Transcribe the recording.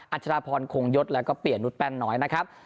ัชราพรคงยศแล้วก็เปลี่ยนนุษยแป้นน้อยนะครับ